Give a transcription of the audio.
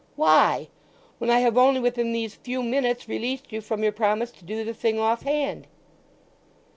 "Why? When I have only within these few minutes released you from your promise to do the thing offhand."